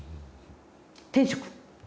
天職。